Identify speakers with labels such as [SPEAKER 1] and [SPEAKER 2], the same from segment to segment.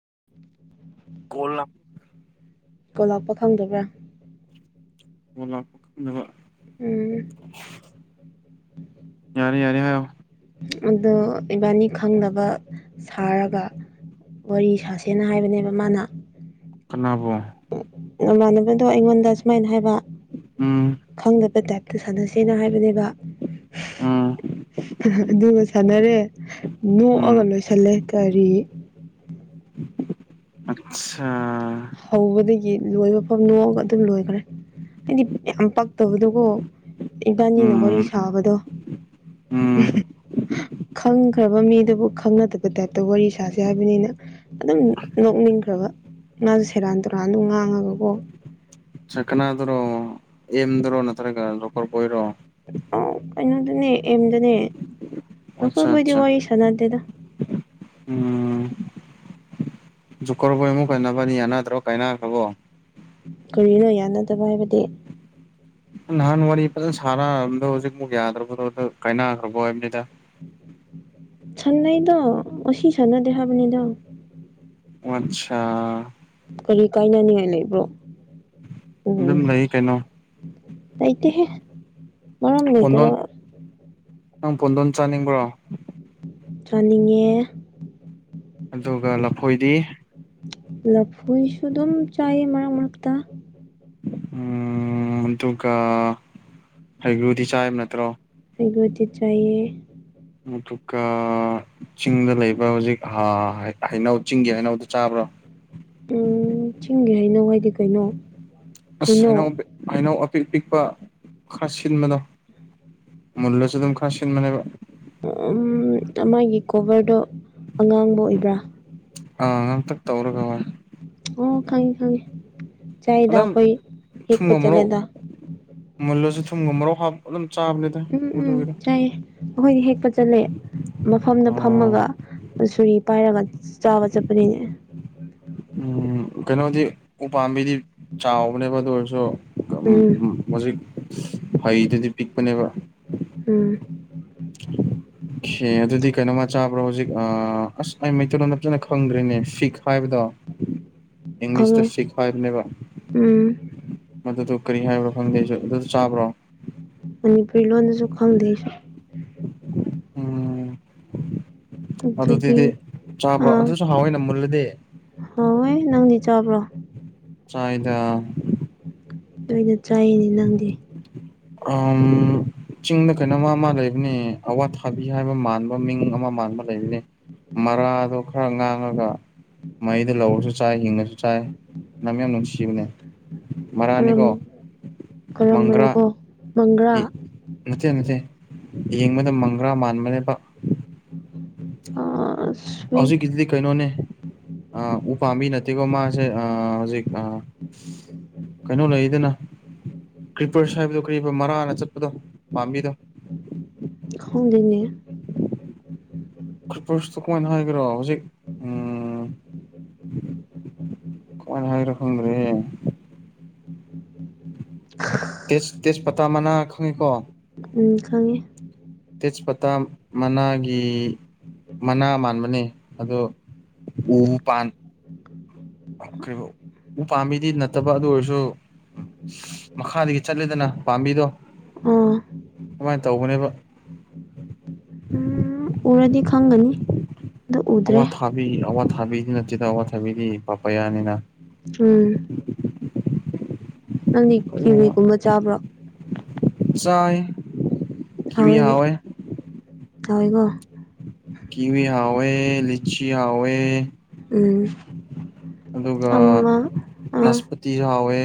[SPEAKER 1] [inaudible]
[SPEAKER 2] ꯀꯣꯜꯂꯝ
[SPEAKER 1] ꯀꯣꯜꯂꯥꯛꯄ ꯈꯪꯗꯕ꯭ꯔꯥ
[SPEAKER 2] ꯑꯣꯂꯞꯕ
[SPEAKER 1] ꯎꯝ
[SPEAKER 2] ꯌꯥꯔꯦ ꯌꯥꯔꯦ ꯍꯥꯏꯣ
[SPEAKER 1] ꯑꯗꯨ ꯏꯕꯥꯅꯤ ꯈꯪꯅꯕ ꯁꯥꯔꯒ ꯋꯥꯔꯤ ꯁꯥꯁꯦꯅ ꯍꯥꯏꯕꯅꯦꯕ ꯃꯥꯅ
[SPEAKER 2] ꯀꯅꯥꯕꯨ
[SPEAKER 1] ꯏꯃꯥꯟꯅꯕꯗꯣ ꯑꯩꯉꯣꯟꯗ ꯁꯨꯃꯥꯏꯅ ꯍꯥꯏꯕ
[SPEAKER 2] ꯎꯝ
[SPEAKER 1] ꯈꯪꯗꯕ ꯇꯥꯏꯞꯇ ꯁꯥꯟꯅꯁꯦꯅ ꯍꯥꯏꯕꯅꯦꯕ
[SPEAKER 2] ꯎꯝ
[SPEAKER 1] ꯑꯗꯨꯒ ꯁꯥꯟꯅꯔꯦ
[SPEAKER 2] ꯎꯝ
[SPEAKER 1] ꯅꯣꯛꯑꯒ ꯂꯣꯏꯁꯤꯜꯂꯦ ꯀꯔꯤ
[SPEAKER 2] ꯑꯆꯥ
[SPEAKER 1] ꯍꯧꯕꯗꯒꯤ ꯂꯣꯏꯕ ꯐꯐꯝ ꯅꯣꯛꯑꯒ ꯑꯗꯨꯝ ꯂꯣꯏꯈꯔꯦ ꯍꯥꯏꯗꯤ ꯌꯥꯝ ꯄ ꯇꯧꯕꯗꯨꯒꯣ ꯏꯝꯕꯥꯅꯤꯅ ꯋꯥꯔꯤ
[SPEAKER 2] ꯎꯝ
[SPEAKER 1] ꯁꯥꯕꯗꯣ
[SPEAKER 2] ꯎꯝ
[SPEAKER 1] ꯈꯪ ꯐꯈ꯭ꯔꯕ ꯃꯤꯗꯨꯕꯨ ꯈꯪꯅꯗꯕ ꯇꯥꯏꯞꯇ ꯋꯥꯔꯤ ꯁꯥꯁꯦ ꯍꯥꯏꯕꯅꯤꯅ ꯑꯗꯨꯝ ꯅꯣꯛꯅꯤꯡꯈ꯭ꯔꯕ ꯉꯥꯁꯨ ꯁꯦꯔꯥꯟ ꯇꯨꯔꯥꯟꯗ ꯉꯥꯡꯉꯒꯀꯣ
[SPEAKER 2] ꯆꯀꯅꯥꯗꯨꯔꯣ ꯑꯦꯝꯗꯔꯣ ꯅꯠꯇ꯭ꯔꯒ ꯂꯣꯔꯕꯣꯏꯔꯣ
[SPEAKER 1] ꯑ ꯀꯩꯅꯣꯗꯨꯅꯦ ꯑꯦꯝꯗꯨꯅꯦ
[SPEAKER 2] ꯑꯠꯆꯥ
[SPEAKER 1] ꯅꯀꯣꯏꯕꯨꯣꯏꯗꯤ
[SPEAKER 2] ꯑꯠꯆꯥ
[SPEAKER 1] ꯋꯥꯔꯤ ꯁꯥꯟꯅꯗꯦꯗ
[SPEAKER 2] ꯖꯨꯀꯕꯨ ꯑꯃꯨꯛ ꯀꯟꯅꯅꯕꯅꯤ ꯌꯥꯅꯗ꯭ꯔꯣ ꯀꯥꯏꯅꯈ꯭ꯔꯕꯣ
[SPEAKER 1] ꯀꯔꯤꯅꯣ ꯌꯥꯅꯗꯕ ꯍꯥꯏꯕꯗꯤ
[SPEAKER 2] ꯅꯍꯥꯟ ꯋꯥꯔꯤ ꯐꯖꯅ ꯁꯥꯟꯅꯝꯗꯣ ꯍꯧꯖꯤꯛꯐꯨꯛ ꯌꯥꯗ꯭ꯔꯕꯗꯣ ꯀꯥꯏꯅꯈ꯭ꯔꯕ ꯍꯥꯏꯕꯅꯤꯗ
[SPEAKER 1] ꯁ ꯅꯩꯗꯣ ꯑꯣꯁꯤ ꯁꯅ ꯗꯦꯥꯕꯗ
[SPEAKER 2] ꯑꯆꯥ
[SPEAKER 1] ꯀꯔꯤ ꯀꯥꯏꯅꯅꯤꯡꯉꯥꯏ ꯂꯩꯕ꯭ꯔꯣ
[SPEAKER 2] ꯃ ꯅ ꯀꯩꯅꯩꯅꯣ
[SPEAKER 1] ꯑꯥꯏꯇꯍꯦ ꯃꯔꯝ ꯂꯩꯗꯔ
[SPEAKER 2] ꯄꯣꯟꯗꯣꯟ ꯅꯪ ꯄꯣꯟꯗꯣꯟ ꯆꯥꯅꯤꯡꯕ꯭ꯔꯣ
[SPEAKER 1] ꯆꯥꯅꯤꯡꯉꯦ
[SPEAKER 2] ꯑꯗꯨꯒ ꯂꯐꯣꯏꯗꯤ
[SPEAKER 1] ꯂꯐꯨꯁꯨ ꯑꯗꯨꯝ ꯆꯥꯏ ꯃꯔꯛ ꯃꯔꯛꯇ
[SPEAKER 2] ꯎꯝ ꯑꯗꯨꯒꯒ ꯍꯩꯒ꯭ꯔꯨꯗꯤ ꯆꯥꯏꯕ ꯅꯠꯇ꯭ꯔꯣ
[SPEAKER 1] ꯍꯩꯒ꯭ꯔꯨꯗꯤ ꯆꯥꯏꯌꯦ
[SPEAKER 2] ꯑꯗꯨꯒ ꯆꯤꯡꯗ ꯂꯩꯕ ꯍꯧꯖꯤꯛ ꯍꯩꯅꯧ ꯆꯤꯡꯒꯤ ꯍꯩꯅꯧꯗ ꯆꯥꯕ꯭ꯔꯣ
[SPEAKER 1] ꯎꯝ ꯆꯤꯡꯒꯦ ꯍꯥꯏꯅꯉꯏꯗꯤ
[SPEAKER 2] ꯍꯩꯅꯧ ꯍꯅꯧ ꯑꯄꯤ ꯄꯤ ꯄ ꯈꯥꯁꯤꯟꯕꯗꯣ ꯃꯨꯜꯂꯁꯨ ꯑꯗꯨꯝ ꯈꯥꯁꯤꯟꯕꯅꯦꯕ
[SPEAKER 1] ꯎ ꯎꯝ ꯃꯥ ꯃꯥꯒꯤ ꯀꯣꯕꯤꯗ ꯑꯉꯥꯡꯕ ꯑꯣꯏꯕ꯭ꯔꯥ
[SPEAKER 2] ꯇꯧꯔꯒꯕ
[SPEAKER 1] ꯑꯣ ꯈꯪꯉꯦ ꯈꯪꯉꯦ ꯆꯗ
[SPEAKER 2] ꯑꯗꯨꯝ
[SPEAKER 1] ꯀꯣꯏ ꯍ
[SPEAKER 2] ꯊꯨꯝꯒ ꯃꯣꯔꯣꯛ
[SPEAKER 1] ꯆꯂꯗ
[SPEAKER 2] ꯃꯨꯜꯂꯁꯨ ꯊꯨꯝꯒ ꯃꯣꯔꯣꯛ ꯍꯥꯞ ꯑꯗꯨꯝ ꯆꯥꯕꯅꯤꯗ
[SPEAKER 1] ꯎꯝ ꯎꯝ
[SPEAKER 2] ꯃꯗꯨꯒꯤꯗꯣ
[SPEAKER 1] ꯆꯥꯏꯑ ꯑꯩꯈꯣꯏꯗꯤ ꯍꯦꯛꯄ ꯆꯠꯂꯦ ꯃꯐꯝꯗ
[SPEAKER 2] ꯑꯥ
[SPEAKER 1] ꯐꯝꯃꯒ ꯁꯣꯔꯤ ꯄꯥꯏꯔꯒ ꯆꯥꯕ ꯆꯠꯄꯅꯤꯅꯦ
[SPEAKER 2] ꯎꯝ ꯀꯩꯅꯣꯗꯤ ꯎꯄꯥꯝꯕꯤꯗꯤ ꯆꯥꯎꯕꯅꯦꯕ ꯑꯗꯨ ꯑꯣꯏꯔꯁꯨ ꯎ ꯎꯝ ꯍꯧꯖꯤꯛ ꯍꯩꯗꯨꯗꯤ ꯄꯤꯛꯄꯅꯦꯕ
[SPEAKER 1] ꯎꯝ
[SPEAKER 2] ꯁꯦ ꯑꯗꯨꯗꯤ ꯀꯩꯅꯣꯝꯃ ꯆꯥꯕ꯭ꯔꯣ ꯍꯧꯖꯤꯛ ꯑ ꯑꯁ ꯑꯩ ꯃꯩꯇꯩꯂꯣꯟꯣ ꯅꯞꯖꯅ ꯈꯪꯗ꯭ꯔꯤꯅꯦ ꯐꯤꯛ ꯍꯥꯏꯕꯗꯣ ꯏꯪꯂꯤꯁ
[SPEAKER 1] ꯈꯪꯉꯦ
[SPEAKER 2] ꯇ ꯁꯤꯤꯀꯋꯥꯅꯦꯕ
[SPEAKER 1] ꯎꯝ
[SPEAKER 2] ꯃꯗꯨꯗ ꯀꯔꯤ ꯍꯥꯏꯕ꯭ꯔꯣ ꯈꯪꯗꯦꯁꯨ ꯑꯗꯨꯁꯨ ꯆꯥꯕ꯭ꯔꯣ
[SPEAKER 1] ꯃꯅꯤꯄꯨꯔꯤ ꯂꯣꯟꯗꯁꯨ ꯈꯪꯗꯦ
[SPEAKER 2] ꯎꯝ
[SPEAKER 1] ꯑꯗꯨꯗꯤ
[SPEAKER 2] ꯆꯥꯕ꯭ꯔꯣ
[SPEAKER 1] ꯑꯥ
[SPEAKER 2] ꯑꯗꯨꯁꯨ ꯍꯥꯎꯋꯦꯅ ꯃꯨꯜꯂꯗꯤ
[SPEAKER 1] ꯍꯣꯏꯣꯏ ꯅꯪꯗꯤ ꯆꯥꯕ꯭ꯔꯣ
[SPEAKER 2] ꯆꯥꯏꯗ
[SPEAKER 1] ꯂꯣꯏꯅ ꯆꯥꯏꯅꯦ ꯅꯪꯗꯤ
[SPEAKER 2] ꯆꯤꯡꯗ ꯀꯩꯅꯣꯃ ꯃꯥ ꯂꯩꯕꯅꯦ ꯑꯋꯥꯊꯥꯕꯤ ꯍꯥꯏꯕ ꯃꯥꯜꯂ ꯃ ꯃꯤꯡ ꯑꯃ ꯃꯥꯟꯕ ꯂꯩꯔꯤꯅꯤ ꯃꯔꯥꯗꯣ ꯈꯔ ꯉꯥꯡꯉꯒ ꯃꯩꯗ ꯂꯧꯔꯁꯨ ꯆꯥꯏ ꯍꯤꯡꯉꯁꯨ ꯆꯥꯏ ꯅꯝ ꯌꯥꯝ ꯅꯨꯡꯁꯤꯕꯅꯦ
[SPEAKER 1] ꯀꯔꯝ
[SPEAKER 2] ꯃꯔꯥꯅꯤꯀꯣ ꯃꯪꯒ꯭ꯔꯥ
[SPEAKER 1] ꯀꯔꯝꯕꯅꯣꯀꯣ ꯃꯪꯒ꯭ꯔꯥ
[SPEAKER 2] ꯅꯠꯇꯦ ꯅꯠꯇꯦ ꯌꯦꯡꯕꯗ ꯃꯪꯒ꯭ꯔꯥ ꯃꯥꯟꯕꯅꯦꯕ
[SPEAKER 1] ꯑꯥ
[SPEAKER 2] ꯍꯧꯖꯤꯛꯀꯤꯗꯨꯗꯤ ꯀꯩꯅꯣꯅꯦ ꯎ ꯄꯥꯝꯕꯤ ꯅꯠꯇꯦꯀꯣ ꯃꯥ ꯁꯦ ꯍꯧꯖꯤꯛ ꯀꯩꯅꯣ ꯂꯩꯗꯅ ꯀ꯭ꯔꯤꯄꯔꯁ ꯍꯥꯏꯕꯗꯣ ꯀꯔꯤ ꯃꯔꯥꯅ ꯆꯠꯄꯗꯣ ꯄꯥꯝꯕꯤꯗꯣ
[SPEAKER 1] ꯍꯣꯡ ꯂꯩꯣꯏꯅꯦ
[SPEAKER 2] ꯀ꯭ꯔꯤꯄꯔꯁꯇ ꯀꯃꯥꯏꯅ ꯍꯥꯏꯈ꯭ꯔꯣ ꯍꯧꯖꯤꯛ ꯎꯝ ꯀ ꯍꯥꯏꯔꯨꯝ ꯔꯦ ꯇꯦꯁ ꯇꯦꯖꯄꯇꯥ ꯃꯅꯥ ꯈꯪꯉꯤꯀꯣ
[SPEAKER 1] ꯎꯝ ꯈꯪꯉꯦ
[SPEAKER 2] ꯇꯦꯖꯄꯇꯥ ꯃꯅꯥꯒꯤ ꯃꯅꯥ ꯃꯥꯟꯕꯅꯤ ꯑꯣ ꯎ ꯄꯥꯟ ꯑꯣꯈꯔꯤꯕ ꯎ ꯄꯥꯝꯕꯤꯗꯤ ꯅꯠꯇꯕ ꯑꯗꯨ ꯑꯣꯏꯔꯁꯨ ꯃꯈꯥꯗꯒꯤ ꯆꯠꯂꯦꯗꯅ ꯄꯥꯝꯕꯤꯗꯣ
[SPEAKER 1] ꯑꯥ
[SPEAKER 2] ꯀꯃꯥꯏꯅ ꯇꯧꯧꯕꯅꯦꯕ
[SPEAKER 1] ꯎꯝ ꯎꯔꯗꯤ ꯈꯪꯒꯅꯤ ꯑꯗꯨ ꯎꯗ꯭ꯔꯦ
[SPEAKER 2] ꯑꯋꯥ ꯊꯥꯕꯤ ꯑꯋꯥ ꯊꯥꯕꯤꯗꯤ ꯅꯠꯇꯦꯗ ꯑꯋꯥ ꯊꯥꯕꯤꯗꯤ ꯄꯥꯄ ꯌꯥꯅꯤꯅ
[SPEAKER 1] ꯎꯝ ꯅꯪꯗꯤ
[SPEAKER 2] ꯀꯔꯤꯅꯣ
[SPEAKER 1] ꯀꯤꯕꯤꯒꯨꯝꯕ ꯆꯥꯕ꯭ꯔꯣ
[SPEAKER 2] ꯆꯥꯏ ꯀꯤ ꯍꯥꯏꯋꯦ
[SPEAKER 1] ꯀꯥꯏꯒꯣ
[SPEAKER 2] ꯀꯤꯋ ꯍꯥꯏꯋ ꯂꯤꯆꯤ ꯍꯋꯦ
[SPEAKER 1] ꯎꯝ
[SPEAKER 2] ꯑꯗꯨꯒ
[SPEAKER 1] ꯑꯃ
[SPEAKER 2] ꯅꯁꯄꯇꯤꯁꯨ ꯍꯥꯎꯋꯦ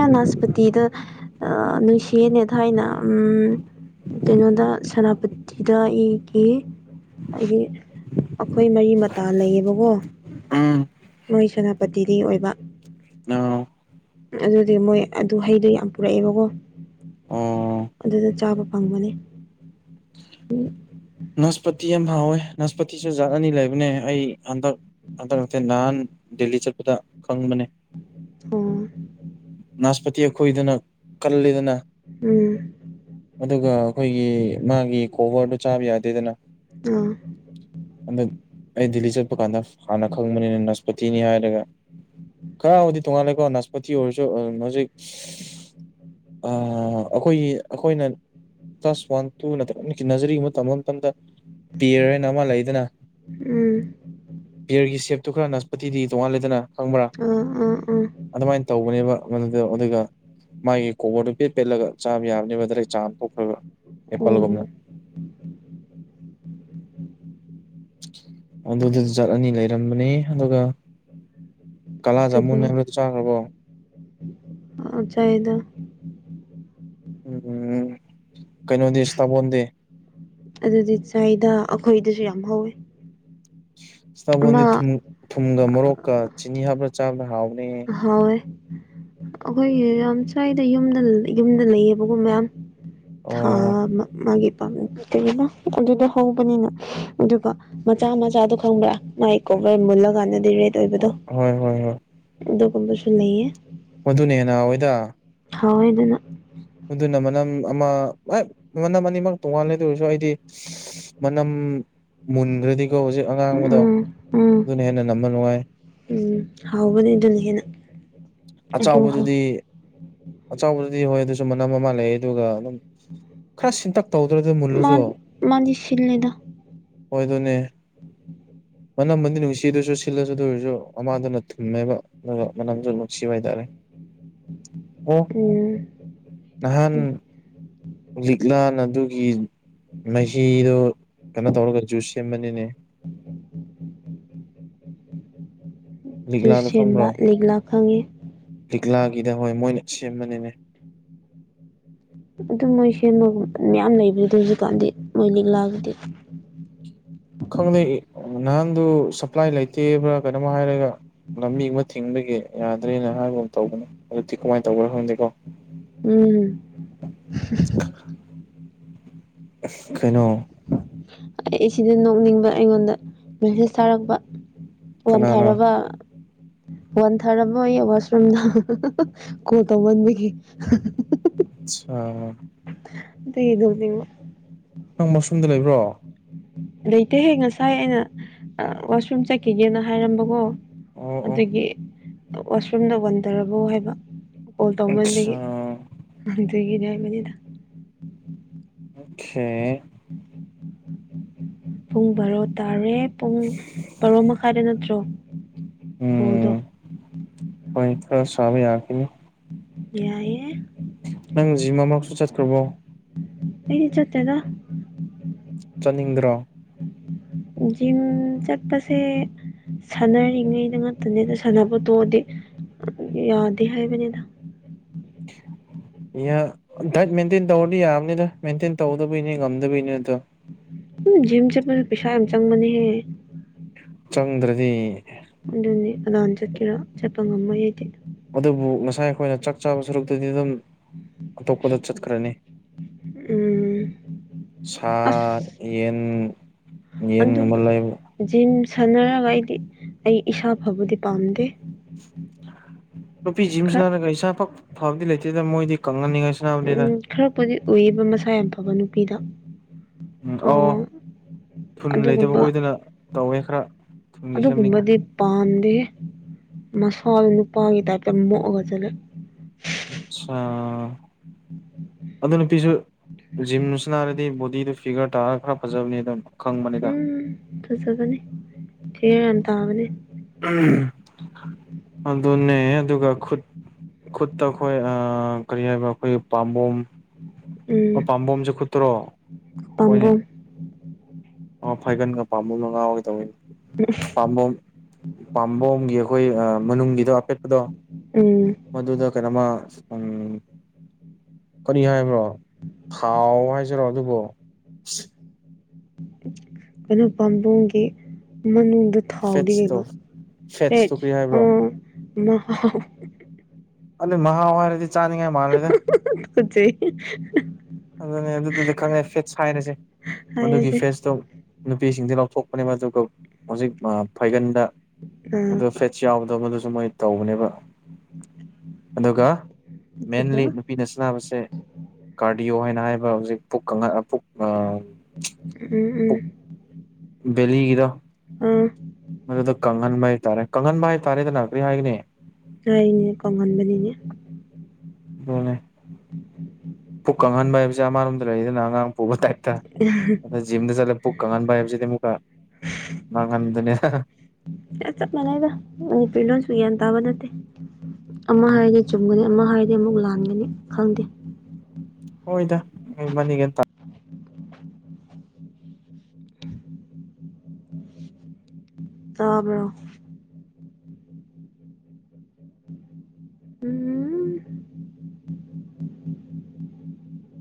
[SPEAKER 1] ꯑ ꯅꯥꯁꯄꯇꯤꯗ ꯅꯨꯡꯁꯦꯅꯦ ꯊꯥꯏꯅ ꯎꯝ ꯀꯩꯅꯣꯗ ꯁꯦꯅꯥꯄꯇꯤꯗ ꯑꯩꯒꯤ ꯍꯥꯏꯗꯤ ꯑꯩꯈꯣꯏ ꯃꯔꯤ ꯃꯇꯥ ꯂꯩꯌꯦꯕꯀꯣ
[SPEAKER 2] ꯎꯝ
[SPEAKER 1] ꯅꯣꯏ ꯁꯦꯅꯥꯄꯇꯤꯒꯤ ꯑꯣꯏꯕ
[SPEAKER 2] ꯑ
[SPEAKER 1] ꯑꯗꯨꯗꯤ ꯃꯣꯏ ꯑꯗꯨ ꯍꯩꯗꯣ ꯌꯥꯝ ꯄꯨꯔꯛꯑꯦꯕꯀꯣ
[SPEAKER 2] ꯑꯣ
[SPEAKER 1] ꯑꯗꯨꯗ ꯆꯥꯕ ꯐꯪꯕꯅꯦ
[SPEAKER 2] ꯁꯄꯇ ꯑꯦꯝ ꯍꯥꯥꯎ ꯑꯣꯏꯣꯏ ꯅꯁꯄꯇꯤꯁꯨ ꯖꯥꯠ ꯑꯅꯤ ꯂꯩꯕꯅꯦ ꯑꯩ ꯍꯟꯗꯛ ꯍꯟꯗꯛ ꯍ ꯅꯍꯥꯟ ꯗꯦꯜꯂꯤ ꯆꯠꯄꯗꯪ ꯃ
[SPEAKER 1] ꯑꯣ
[SPEAKER 2] ꯑꯩꯣꯏꯗꯅ ꯀꯜꯂꯤꯗꯅ
[SPEAKER 1] ꯎꯝ
[SPEAKER 2] ꯑꯗꯨꯒ ꯑꯩꯈꯣꯏꯒꯤ ꯃꯥꯒꯤ ꯀꯣꯕꯔꯗꯣ ꯆꯥꯕ ꯌꯥꯗꯦꯗꯅ
[SPEAKER 1] ꯑꯥ
[SPEAKER 2] ꯑꯗ ꯑꯩ ꯦꯜꯂꯤ ꯆꯠ ꯆꯠꯄ ꯀꯥꯟꯗ ꯍꯥꯟꯅ ꯈꯪꯕꯅꯤꯅ ꯅꯁꯄꯇꯤꯅꯤ ꯍꯥꯏꯔꯒ ꯈꯔꯕꯨꯗꯤ ꯊꯣꯡꯉꯥꯜꯂꯦꯀꯣ ꯅꯅꯥꯁꯄꯇꯤ ꯑꯣꯏꯔꯁꯨ ꯑꯗꯨ ꯍꯧꯖꯤꯛ ꯑꯩꯈꯣꯏꯒꯤ ꯑꯩꯈꯣꯏꯅ ꯀ꯭ꯂꯥꯁ ꯋꯥꯟ ꯇꯨ ꯅꯠꯇ꯭ꯔ ꯀꯤꯅꯖꯔꯤ ꯃꯇꯝ ꯑꯃ ꯃꯇꯝꯗ ꯄꯦꯔꯅ ꯑꯃ ꯂꯩꯗꯅ
[SPEAKER 1] ꯎꯝ
[SPEAKER 2] ꯇꯨ ꯈꯔ ꯅꯁꯄꯇꯤꯗꯤ ꯇꯣꯉꯥꯟ ꯂꯩꯗꯅ ꯈꯪꯕ꯭ꯔꯥ
[SPEAKER 1] ꯑꯥ ꯑꯥ ꯑꯥ
[SPEAKER 2] ꯑꯗꯨꯃꯥꯏꯅ ꯇꯧꯕꯅꯦꯕ ꯗ ꯑꯗꯨꯒ ꯃꯥꯒꯤ ꯀꯣꯕꯔꯗꯨꯣ ꯄꯦꯠ ꯄꯦꯠꯂꯒ ꯆꯥꯕ ꯌꯥꯕꯅꯦꯕ ꯑꯗ꯭ꯔꯩ ꯆꯥ ꯑꯃ ꯊꯣꯛꯈ꯭ꯔꯣꯏꯕ ꯑꯦꯄꯥꯜꯒꯝꯅ
[SPEAKER 1] ꯑꯣ
[SPEAKER 2] ꯑꯗꯨꯗꯨ ꯖꯥꯠ ꯑꯅꯤ ꯂꯩꯔꯝꯕꯅꯦ ꯑꯗꯨꯒ ꯀꯂꯥꯥꯁꯦ
[SPEAKER 1] ꯑꯗꯨꯒ
[SPEAKER 2] ꯃꯨꯟꯅ ꯍꯥꯏꯕꯂꯗ ꯆꯥꯈ꯭ꯔꯕꯣ
[SPEAKER 1] ꯆꯥꯗ
[SPEAKER 2] ꯎꯝ ꯀꯩꯅꯣꯗꯤꯁ ꯇꯥꯕꯣꯟꯗꯦ
[SPEAKER 1] ꯑꯗꯨꯗꯤ ꯁꯋꯥꯗ ꯑꯩꯈꯣꯏꯗꯁꯨ ꯌꯥꯝ ꯍꯧꯋꯦ
[SPEAKER 2] ꯁꯕꯣꯟꯗꯤ
[SPEAKER 1] ꯑꯃ
[SPEAKER 2] ꯊ ꯊꯨꯝꯒ ꯃꯣꯔꯣꯛꯀ ꯆꯤꯅꯤ ꯍꯥꯞꯄ꯭ꯔꯥ ꯆꯥꯕ꯭ꯔ ꯍꯥꯎꯕꯅꯤ
[SPEAKER 1] ꯍꯣꯏ ꯑꯩꯈꯣꯏꯒꯤ ꯌꯥꯝ ꯁ꯭ꯋꯥꯏꯗ ꯌꯨꯝꯗ ꯌꯨꯝꯗ ꯂꯩꯌꯦꯕꯒꯨꯝ ꯃꯌꯥꯝ ꯊꯥ
[SPEAKER 2] ꯑꯣ
[SPEAKER 1] ꯃꯥꯒꯤ ꯝ ꯀꯩꯒꯤꯅꯣ ꯑꯗꯨꯗ ꯍꯧꯕꯅꯤꯅ ꯑꯗꯨꯒ ꯃꯆꯥ ꯃꯆꯥꯗꯣ ꯈꯪꯕ꯭ꯔꯥ ꯃꯥꯏꯀꯣ ꯑꯩꯣꯏ ꯃꯨꯜꯂꯀꯥꯟꯗꯗꯤ ꯔꯦꯠ ꯑꯣꯏꯕꯗꯣ
[SPEAKER 2] ꯍꯣꯏ ꯍꯣꯏ
[SPEAKER 1] ꯑꯗꯨꯒꯨꯝꯕꯁꯨ ꯂꯩꯌꯦ
[SPEAKER 2] ꯃꯗꯨꯅꯦ ꯅꯋꯥꯏꯗ
[SPEAKER 1] ꯊꯑꯣꯏꯗꯨꯅ
[SPEAKER 2] ꯑꯗꯨꯅ ꯃꯅꯝ ꯑꯃ ꯃꯅꯝ ꯑꯅꯤꯃꯛ ꯇꯣꯉꯥꯟꯂꯗ ꯑꯣꯏꯔꯁꯨ ꯑꯩꯗꯤ ꯃꯅꯝ ꯃꯟꯗꯤ ꯑꯗꯨꯒ ꯍꯧꯖꯤꯛ ꯑꯉꯥꯡꯕꯗꯣ
[SPEAKER 1] ꯎꯝ ꯎꯝ
[SPEAKER 2] ꯑꯗꯨꯅ ꯍꯦꯟꯅ ꯅꯝꯕ ꯅꯨꯡꯉꯥꯏ
[SPEAKER 1] ꯎꯝ ꯍꯥꯎꯕꯅꯦ ꯑꯗꯨꯅ ꯍꯦꯟꯅ ꯑꯗꯨ
[SPEAKER 2] ꯑꯆꯕꯗꯨꯗꯤ ꯑꯆꯥꯎꯕꯗꯨ ꯑꯗꯨ ꯍꯣꯏ ꯑꯗꯨꯁꯨ ꯃꯅꯝ ꯑꯃ ꯂꯩ ꯑꯗꯨꯒ ꯑꯗꯨꯝ ꯈꯔ ꯁꯤꯟꯇꯛ ꯇꯧꯗ꯭ꯔꯗꯤ
[SPEAKER 1] ꯃꯥ
[SPEAKER 2] ꯃꯨꯜꯂꯨꯁꯨ
[SPEAKER 1] ꯃꯥꯗꯤ ꯁꯤꯜꯂꯦꯗ
[SPEAKER 2] ꯑꯣꯏ ꯑꯗꯨꯣꯏꯅꯦ ꯃꯅꯝꯃꯗꯤ ꯅꯨꯡꯁꯤꯗꯣꯏꯔꯁꯨ ꯁꯤꯜꯂꯁꯨ ꯑꯗꯨ ꯑꯣꯏꯔꯁꯨ ꯑꯃꯥꯡꯗꯨꯅ ꯊꯨꯝꯃꯦꯕ ꯑꯗꯨꯒ ꯃꯅꯝꯁꯨ ꯁꯤꯋꯥꯥꯏ ꯇꯔꯦ ꯑꯣ
[SPEAKER 1] ꯎꯝ
[SPEAKER 2] ꯅꯍꯥꯟ ꯂꯤꯛꯂꯥꯟ ꯑꯗꯨꯒꯤ ꯃꯍꯤꯗꯨ ꯀꯩꯅꯣ ꯇꯧꯔꯒ ꯖꯨꯁ ꯁꯦꯝꯕꯅꯤꯅꯦ
[SPEAKER 1] ꯎ ꯖꯨꯁ
[SPEAKER 2] ꯂꯤꯛꯂꯥꯗꯣ
[SPEAKER 1] ꯁꯦꯝꯕ
[SPEAKER 2] ꯈꯪꯕ꯭ꯔꯣ
[SPEAKER 1] ꯂꯤꯛꯂꯥ ꯈꯪꯉꯦ
[SPEAKER 2] ꯂꯤꯛꯂꯥꯒꯤꯗ ꯍꯣꯏ ꯃꯣꯏꯅ ꯁꯦꯝꯕꯅꯤꯅꯦ
[SPEAKER 1] ꯑꯗꯨꯝ ꯃꯣꯏ ꯁꯦꯝꯕꯒꯨꯝꯕ ꯃꯌꯥꯝ ꯂꯩꯕꯅꯤ ꯑꯗꯨ ꯍꯧꯖꯤꯛꯀꯥꯟꯗꯤ ꯃꯣꯏ ꯂꯤꯛꯂꯥꯑꯒꯗꯤ
[SPEAKER 2] ꯈꯪꯗꯦ ꯅꯍꯥꯟꯗꯨ ꯁꯄ꯭ꯂꯥꯏ ꯂꯩꯇꯦꯕ꯭ꯔꯥ ꯀꯩꯅꯣ ꯍꯥꯏꯔꯒ ꯂꯝꯕꯤ ꯑꯃ ꯊꯤꯡꯕꯒꯤ ꯌꯥꯗ꯭ꯔꯦꯅ ꯍꯥꯏꯕ ꯑꯃ ꯇꯧꯕꯅꯦ ꯑꯗꯨꯗꯤ ꯀꯃꯥꯏꯅ ꯇꯧꯕ꯭ꯔꯥ ꯈꯪꯗꯦꯀꯣ
[SPEAKER 1] ꯎꯝ
[SPEAKER 2] ꯀꯩꯅꯣ
[SPEAKER 1] ꯑꯩ ꯁꯤꯗ ꯅꯣꯛꯅꯤꯡꯕ ꯑꯩꯉꯣꯟꯗ ꯃꯦꯁꯦꯖ ꯊꯥꯔꯛꯄ
[SPEAKER 2] ꯀꯅꯥꯅ
[SPEAKER 1] ꯋꯥꯟꯊꯥꯔꯕ ꯋꯥꯣꯟ ꯊꯥꯔꯝꯃꯣꯏꯌꯦ ꯋꯥꯁꯔꯨꯝꯗ ꯀꯣꯜ ꯇꯧꯃꯟꯕꯒꯤ
[SPEAKER 2] ꯑꯆꯥ
[SPEAKER 1] ꯑꯗ ꯏꯅꯤ
[SPEAKER 2] ꯅꯪ ꯃꯁꯔꯨꯝꯗ ꯂꯩꯕ꯭ꯔꯣ
[SPEAKER 1] ꯂꯩꯇꯦꯍꯦ ꯉꯁꯥꯏ ꯑꯩꯅ ꯋꯥꯁꯔꯨꯝ ꯆꯠꯈꯤꯒꯦꯅ ꯍꯥꯏꯔꯝꯕꯀꯣ
[SPEAKER 2] ꯑꯣ ꯑꯣ
[SPEAKER 1] ꯑꯗꯨꯒꯤ ꯋꯥꯁꯔꯨꯝꯗ ꯋꯥꯟꯊꯔꯕꯣ ꯍꯥꯏꯕ ꯑꯣꯜ ꯇꯧꯃꯟꯕꯒꯤꯦ
[SPEAKER 2] ꯑꯆꯥ
[SPEAKER 1] ꯑꯗꯨꯒꯤꯅꯦ ꯍꯥꯏꯕꯅꯤꯗ
[SPEAKER 2] ꯁꯦ
[SPEAKER 1] ꯄꯨꯡ ꯕꯥꯔꯣ ꯇꯥꯔꯦ ꯄꯨꯡ ꯕꯥꯔꯣ ꯃꯈꯥꯏꯗ ꯅꯠꯇ꯭ꯔꯣ ꯕꯣꯜꯗꯣ
[SPEAKER 2] ꯎꯝ ꯑꯩ ꯊꯔꯕ ꯌꯥꯈꯅꯤ
[SPEAKER 1] ꯌꯥꯏꯑꯦ
[SPEAKER 2] ꯅꯪ ꯖꯤꯃꯥ ꯃꯔꯛꯁ ꯆꯠꯈ꯭ꯔꯕꯣ
[SPEAKER 1] ꯑꯩ ꯆꯠꯇꯦꯗ
[SPEAKER 2] ꯆꯠꯅꯤꯡꯗ꯭ꯔꯣ
[SPEAKER 1] ꯖꯤꯝ ꯆꯠꯄꯁꯦ ꯁꯥꯟꯅꯔꯤꯉꯩꯗ ꯉꯥꯛꯇꯅꯦꯗ ꯁꯥꯟꯅꯕꯣ ꯇꯣꯗꯤ ꯌꯥꯗ ꯍꯥꯏꯌꯦ ꯃꯅꯦꯗ
[SPEAKER 2] ꯌꯥ ꯗꯥꯏꯠ ꯃꯦꯟꯇꯦꯟ ꯇꯧꯔꯗꯤ ꯌꯥꯕꯅꯤꯗ ꯃꯦꯟꯇꯦꯟ ꯇꯧꯗꯕꯩꯅꯤ ꯉꯝꯗꯕꯩꯅꯤ ꯑꯗꯣ
[SPEAKER 1] ꯎ ꯖꯤꯝ ꯆꯦ ꯄꯨ ꯄꯩꯁꯥ ꯌꯥꯝ ꯆꯪꯕꯅꯤꯦ
[SPEAKER 2] ꯑꯗꯨꯗ꯭ꯔꯗꯤ
[SPEAKER 1] ꯀꯅꯥꯅ ꯆꯠꯀꯦꯔꯥ ꯆꯠꯄ ꯉꯝꯃꯣꯏ ꯑꯩꯗꯤ
[SPEAKER 2] ꯑꯗꯨꯕꯨ ꯉꯁꯥꯏ ꯑꯩꯈꯣꯏꯅ ꯆꯥꯛ ꯆꯥꯕ ꯁꯔꯨꯛꯇꯨꯗꯤ ꯑꯗꯨꯝ ꯑꯇꯣꯞꯄꯗ ꯆꯠꯈ꯭ꯔꯅꯤ
[SPEAKER 1] ꯎꯝ
[SPEAKER 2] ꯁꯥ
[SPEAKER 1] ꯑꯁ
[SPEAKER 2] ꯌꯦꯟ ꯌꯦꯟ
[SPEAKER 1] ꯑꯗꯨ
[SPEAKER 2] ꯑꯃꯨꯝ ꯂꯩ
[SPEAKER 1] ꯖꯤꯝ ꯁꯥꯟꯅꯔꯒ ꯑꯩꯗꯤ ꯑꯩ ꯏꯁꯥ ꯐꯕꯗꯤ ꯄꯥꯝꯗꯦ
[SPEAKER 2] ꯅꯨꯄꯤ
[SPEAKER 1] ꯈꯔ
[SPEAKER 2] ꯖꯤꯝꯁꯅꯔꯒ ꯏꯁꯥ ꯐꯛ ꯐꯕꯗꯤ ꯂꯩꯇꯦꯗꯅ ꯃꯣꯏꯗꯤ ꯀꯪꯍꯟꯅꯤꯡꯉꯥꯏ
[SPEAKER 1] ꯎꯝ
[SPEAKER 2] ꯁꯥꯟꯅꯕꯅꯤꯗ
[SPEAKER 1] ꯈꯔꯄꯗꯤ ꯎꯌꯦꯕ ꯃꯁꯥ ꯌꯥꯝ ꯐꯕ ꯅꯨꯄꯤꯗ
[SPEAKER 2] ꯝ ꯑꯣ ꯊꯨꯟ ꯂꯩꯇꯕ
[SPEAKER 1] ꯑꯗꯨꯒꯨꯝꯕ
[SPEAKER 2] ꯀꯣꯏꯗꯅ ꯇꯧꯋꯦ ꯈꯔ ꯊꯨꯟꯒꯤ ꯁꯦꯝꯅꯤꯡꯉꯥꯏ
[SPEAKER 1] ꯃꯁꯥꯜ ꯅꯨꯄꯥꯒꯤ ꯇ ꯃꯛꯑꯒ ꯆꯂꯦ
[SPEAKER 2] ꯑꯆꯥ ꯑꯗꯨ ꯅꯨꯄꯤꯁꯨ ꯖꯤꯝꯗꯨꯁꯨ ꯅꯥꯔꯗꯤ ꯕꯣꯗꯤꯗꯨ ꯐꯤꯒꯔ ꯇꯥꯔꯒ ꯈꯔ ꯐꯖꯕꯅꯤ ꯑꯗꯨ
[SPEAKER 1] ꯎꯝ ꯇꯁꯨꯕꯅꯤ ꯊ ꯇꯕꯅꯤ
[SPEAKER 2] ꯑꯗꯨꯅꯦ ꯑꯗꯨꯒ ꯈꯨꯠ ꯈꯨꯠꯇ ꯑꯩꯈꯣꯏ ꯀꯔꯤ ꯍꯥꯏꯕ ꯑꯩꯈꯣꯏꯒꯤ ꯄꯥꯝꯕꯣꯝ
[SPEAKER 1] ꯎꯝ
[SPEAKER 2] ꯑꯣ ꯄꯥꯝꯕꯣꯝꯁꯨ ꯈꯨꯠꯇ꯭ꯔꯣ ꯑꯣꯏꯅꯦ
[SPEAKER 1] ꯄꯥꯝꯕꯣꯝ
[SPEAKER 2] ꯉꯥꯎꯒꯦ ꯇꯧꯋꯤꯅꯦ ꯄꯥꯝꯕꯣꯝ ꯄꯥꯝꯕꯣꯝꯒꯤ ꯑꯩꯈꯣꯏ ꯃꯅꯨꯡꯒꯤꯗꯣ ꯑꯄꯦꯠꯄꯗꯣ
[SPEAKER 1] ꯎꯝ
[SPEAKER 2] ꯃꯗꯨꯗ ꯀꯩꯅꯣꯃ ꯀꯔꯤ ꯍꯥꯏꯕ꯭ꯔꯣ ꯊꯥꯎ ꯍꯥꯏꯖꯔꯣ ꯑꯗꯨꯕꯨꯣ
[SPEAKER 1] ꯀꯩꯅꯣ ꯄꯥꯝꯕꯣꯡꯦ ꯃꯅꯨ ꯑꯗꯨ ꯊꯥꯎꯗꯤ
[SPEAKER 2] ꯐꯦꯠꯁꯇꯣ
[SPEAKER 1] ꯀꯩꯅꯣ ꯍꯦ
[SPEAKER 2] ꯐꯦꯠꯁꯇꯣ ꯀꯔꯤ
[SPEAKER 1] ꯑ
[SPEAKER 2] ꯍꯥꯏꯕ꯭ꯔꯣ ꯆꯥꯅꯤꯡꯉ ꯃꯥꯥꯡꯂꯒ
[SPEAKER 1] ꯍꯧ ꯆꯩꯦ
[SPEAKER 2] ꯑꯗꯨꯅꯦ ꯑꯗꯨꯗꯨꯗꯤ ꯈꯪꯉꯦ ꯐꯦꯠꯁ ꯍꯥꯏꯔꯁꯦ ꯃꯗꯨꯒꯤ
[SPEAKER 1] ꯍꯥꯏꯔꯁꯦ
[SPEAKER 2] ꯐꯦꯁꯇꯣ ꯅꯨ ꯐꯤꯁꯤꯡꯁꯦ ꯂꯧꯊꯣꯛꯄꯅꯦꯕ ꯑꯗꯨꯒ ꯍꯧꯖꯤꯛ ꯐꯩꯒꯟꯗ
[SPEAKER 1] ꯑꯥ
[SPEAKER 2] ꯃ ꯐ꯭ꯂꯦꯠꯁ ꯌꯥꯎꯕꯗꯣꯗꯨ ꯁꯨꯃꯥꯏꯅ ꯇꯧꯕꯅꯦꯕ ꯑꯗꯨꯒ
[SPEAKER 1] ꯑꯗꯨꯒ
[SPEAKER 2] ꯃꯦꯟꯂꯤ ꯅꯨꯄꯤꯅ ꯁꯕꯁꯦ ꯀꯥꯔ ꯍꯥꯏꯕ ꯍꯧꯖꯤꯛ ꯄꯨꯛ ꯄꯨꯛ
[SPEAKER 1] ꯎꯝ ꯎꯝ
[SPEAKER 2] ꯕꯂꯤꯒꯤꯗ
[SPEAKER 1] ꯑꯥ
[SPEAKER 2] ꯃꯗꯨꯗ ꯀꯪꯍꯟꯕ ꯍꯥꯏꯇꯥꯔꯦ ꯀꯪꯍꯟꯕ ꯍꯥꯏꯇꯥꯔꯦꯗꯅ ꯀꯔꯤ ꯍꯥꯏꯒꯅꯤ
[SPEAKER 1] ꯑ ꯏꯅꯦ ꯀꯣꯡꯍꯟꯕꯅꯤꯅꯦ
[SPEAKER 2] ꯑꯗꯨꯅꯦ ꯄꯨꯛ ꯀꯪꯍꯟꯕ ꯍꯥꯏꯕꯁꯦ ꯑꯃꯔꯣꯝꯗ ꯂꯩꯗꯅ ꯑꯉꯥꯡ ꯄꯨꯕ ꯇꯥꯏꯞꯇ ꯑ ꯖꯤꯝꯗ ꯆꯠꯂꯦ ꯄꯨꯛ ꯀꯪꯉꯥꯟꯕ ꯍꯥꯏꯕꯁꯤꯗꯤꯃꯨꯀ ꯃꯥꯡꯍꯟꯗꯅꯦ ꯍꯥ ꯍꯥ
[SPEAKER 1] ꯇꯜꯂꯦꯗ ꯃꯅꯤꯄꯨꯔꯤ ꯂꯣꯟꯁꯨ ꯒ꯭ꯌꯥꯟ ꯇꯥꯕ ꯅꯠꯇꯦ ꯑꯃ ꯍꯥꯏꯔꯗꯤ ꯆꯨꯝꯒꯅꯤ ꯑꯃ ꯍꯥꯏꯗꯤ ꯃꯨꯛ ꯂꯥꯟꯒꯅꯤ ꯈꯪꯗꯦ
[SPEAKER 2] ꯍꯣꯏꯗ ꯃꯅꯤ [unintelligible]
[SPEAKER 1] ꯇꯕ꯭ꯔꯣ ꯎꯝ